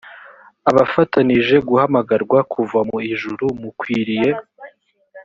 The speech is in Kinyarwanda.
abafatanije guhamagarwa kuva mu ijuru mukwiriye